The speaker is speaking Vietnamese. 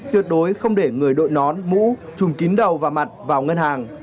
tuyệt đối không để người đội nón mũ trùm kín đầu và mặt vào ngân hàng